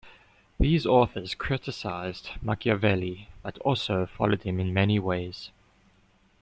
These authors criticized Machiavelli, but also followed him in many ways.